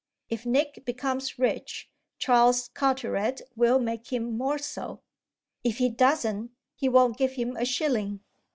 "If Nick becomes rich Charles Carteret will make him more so. If he doesn't he won't give him a shilling."